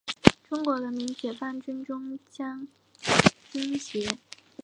中国人民解放军中将军衔。